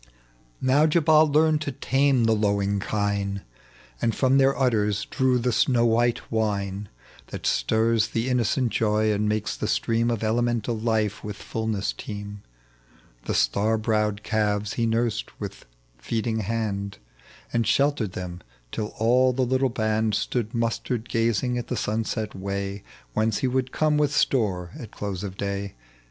H Now Jabal learned to tame the lowing kine, And from their' udders drew the snow white wine That stirs the innocent joy, and makes the stream Of elemental life with fulness teem ; The star browed calves he nursed with feeding hand, And sheltered them, till all the little band Stood mustered gazing at the sunset way Whence he would come with store at close of day.